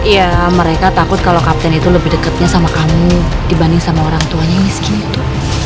ya mereka takut kalau kapten itu lebih dekatnya sama kamu dibanding sama orang tuanya miskin gitu